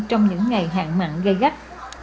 trong những ngày hạn mặn gây gắt